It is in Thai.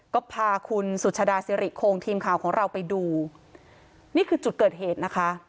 ก็พาคุณสุชาดาสิริโครงทีมข่าวของเราไปดูนี่คือจุดเกิดเหตุนะคะ